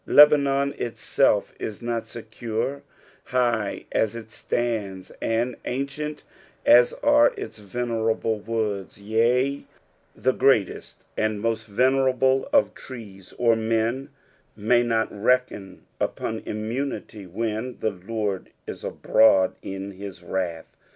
Lebanon itself is not secure, hinh as it standa, and ancient as are its venerable woods: "Tea, the Lord h eSeeth the eedar* of Lebanon." The greatest and moat venerable of trcea or men, may not reckon upon immunity when the Lord is abroad in his wrath.